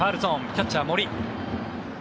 キャッチャー、森。